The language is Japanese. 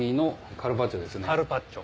カルパッチョ。